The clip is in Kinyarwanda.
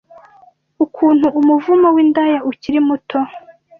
Ukuntu umuvumo windaya ukiri muto